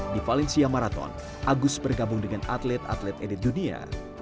di valencia marathon agus bergabung dengan atlet atlet edit dunia